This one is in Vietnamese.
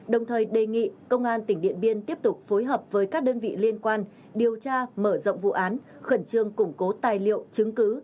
đồng thời đề nghị công an tỉnh điện biên tiếp tục phối hợp với các đơn vị liên quan điều tra mở rộng vụ án khẩn trương củng cố tài liệu chứng cứ